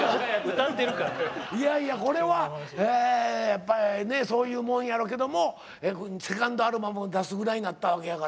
やっぱりねそういうもんやろうけどもセカンドアルバムを出すぐらいになったわけやからな。